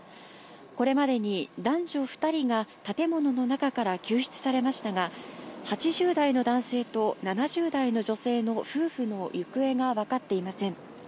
これまでに男女２人が建物の中から救出されましたが、８０代の男性と７０代の女性の夫婦の行方が分かっていません。